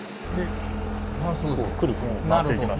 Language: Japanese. こうくるくる巻いていきます。